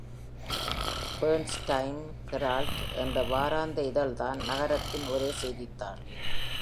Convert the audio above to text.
"Burns Times-Herald" என்ற வாராந்திர இதழ்தான் நகரத்தின் ஒரே செய்தித்தாள்.